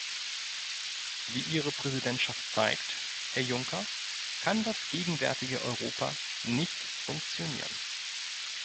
Wie Ihre Präsidentschaft zeigt, Herr Juncker, kann das gegenwärtige Europa nicht funktionieren.